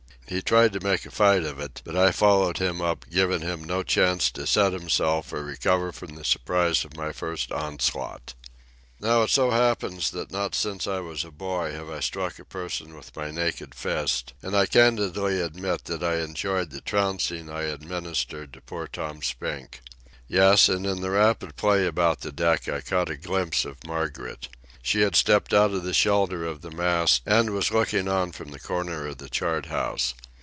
He tried to make a fight of it, but I followed him up, giving him no chance to set himself or recover from the surprise of my first onslaught. Now it so happens that not since I was a boy have I struck a person with my naked fist, and I candidly admit that I enjoyed the trouncing I administered to poor Tom Spink. Yes, and in the rapid play about the deck I caught a glimpse of Margaret. She had stepped out of the shelter of the mast and was looking on from the corner of the chart house.